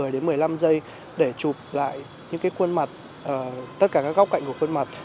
một mươi đến một mươi năm giây để chụp lại những cái khuôn mặt tất cả các góc cạnh của khuôn mặt